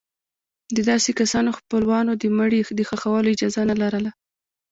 د داسې کسانو خپلوانو د مړي د ښخولو اجازه نه لرله.